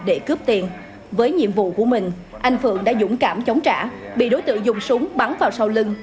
để cướp tiền với nhiệm vụ của mình anh phượng đã dũng cảm chống trả bị đối tượng dùng súng bắn vào sau lưng